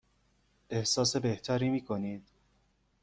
احساس بهتری می کنید؟